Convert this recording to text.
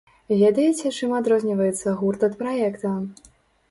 Ведаеце, чым адрозніваецца гурт ад праекта?